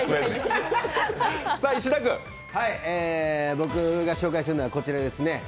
僕が紹介するのはこちらですね。